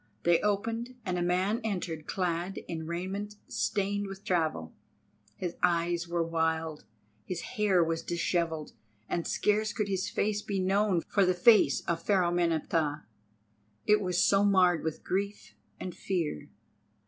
They opened, and a man entered clad in raiment stained with travel. His eyes were wild, his hair was dishevelled, and scarce could his face be known for the face of Pharaoh Meneptah, it was so marred with grief and fear.